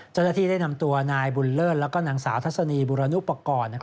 เจ้าหน้าที่ได้นำตัวนายบุญเลิศและนางสาวทัศนีบุรณุปกรณ์